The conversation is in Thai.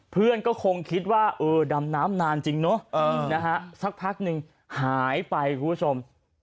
เพื่อนก็คงคิดว่าเออดำน้ำนานจริงเนอะสักพักนึงหายไปคุณผู้ชม